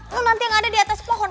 lo nanti gak ada diatas pohon